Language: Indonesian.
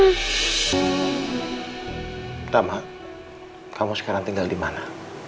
rahma kamu sekarang tinggal dimana